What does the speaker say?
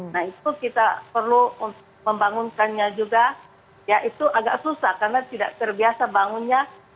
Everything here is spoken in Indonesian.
nah itu kita perlu membangunkannya juga ya itu agak susah karena tidak terbiasa bangunnya